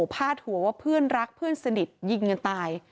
พาดหัวว่าเพื่อนรักเพื่อนสนิทยิงกันตาย